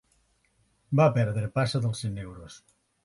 Va perdre passa de cent euros.